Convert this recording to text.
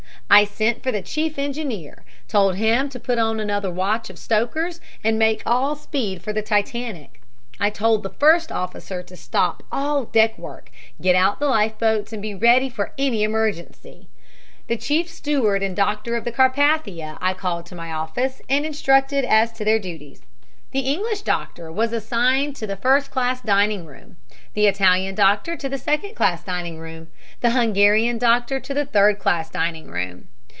I sent for the chief engineer, told him to put on another watch of stokers and make all speed for the Titanic. I told the first officer to stop all deck work, get out the life boats and be ready for any emergency. The chief steward and doctors of the Carpathia I called to my office and instructed as to their duties. The English doctor was assigned to the first class dining room, the Italian doctor to the second class dining room, the Hungarian doctor to the third class dining room.